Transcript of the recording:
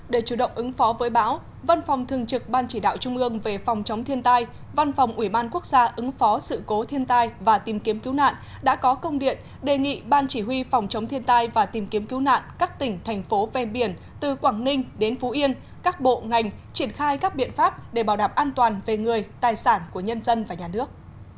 để chủ động ứng phó với bão văn phòng thường trực ban chỉ đạo trung ương về phòng chống thiên tai văn phòng ủy ban quốc gia ứng phó sự cố thiên tai và tìm kiếm cứu nạn đã có công điện đề nghị ban chỉ huy phòng chống thiên tai và tìm kiếm cứu nạn các tỉnh thành phố ven biển từ quảng ninh đến phú yên các bộ ngành triển khai các biện pháp để bảo đảm an toàn về người tài sản của nhân dân và nhà nước